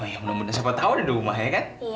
oh ya mudah mudahan siapa tau ada di rumah ya kan